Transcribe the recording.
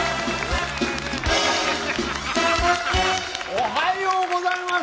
おはようございます。